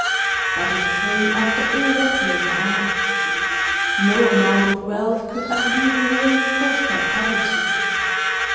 But it came after irreparable harm. No amount of wealth could undo the ruin caused by poverty.